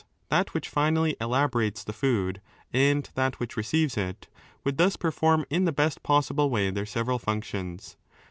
that which finally elaborates the food and that which receives it) would thus perform in the best possible way their several functions.